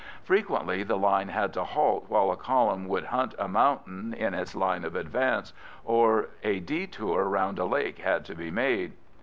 Frequently the line had to halt while a column would hunt a mountain in its line of advance, or a detour round a lake had to be made.